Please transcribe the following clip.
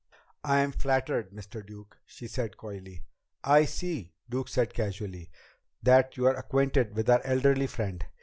"I am flattered, Mr. Duke," she said coyly. "I see," Duke said casually, "that you are acquainted with our elderly friend."